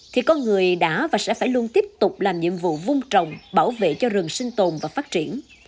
thì con người đã và sẽ phải luôn tiếp tục làm nhiệm vụ vung trồng bảo vệ cho rừng sinh tồn và phát triển